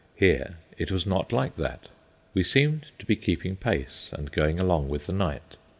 Here it was not like that; we seemed to be keeping pace and going along with the knight.